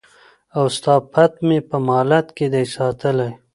او ستا پت مي په مالت کي دی ساتلی